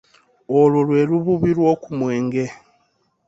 Olwo lwe lububi lw'oku mwenge.